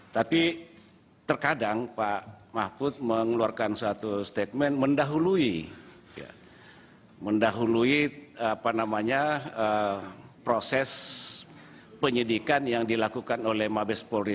tapi terkadang pak mahfud mengeluarkan suatu statement mendahului mendahului proses penyidikan yang dilakukan oleh mabes polri